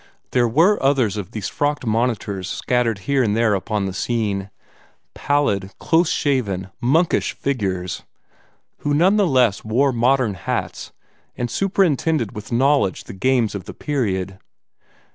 There were others of these frocked monitors scattered here and there upon the scene pallid, close shaven, monkish figures, who none the less wore modern hats, and superintended with knowledge the games of the period.